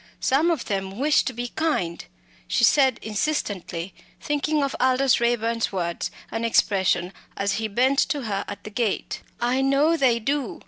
Some of them wish to be kind" she added insistently, thinking of Aldous Raeburn's words and expression as he bent to her at the gate "I know they do.